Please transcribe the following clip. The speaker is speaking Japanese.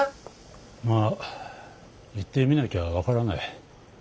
まあ行ってみなきゃ分からない。